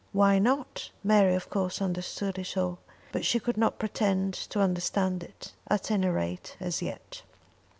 "Why not?" Mary, of course, understood it all; but she could not pretend to understand it, at any rate as yet.